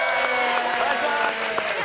お願いします！